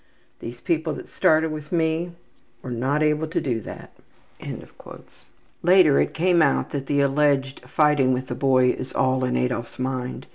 These people that started with me were not able to do that.'' Later it came out that the alleged fighting with the boy is all in Adolf's mind.